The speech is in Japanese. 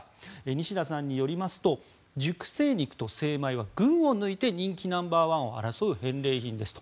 西田さんによりますと熟成肉と精米は群を抜いて人気ナンバーワンを争う返礼品ですと。